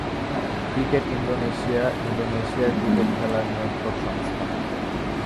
Cricket Indonesia ইন্দোনেশিয়ার cricket খেলার নিয়ন্ত্রক সংস্থা।